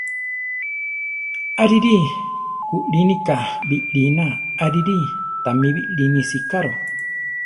Arirí! kulínika biʼliná! arirí ! Támi biʼlíni sicaro!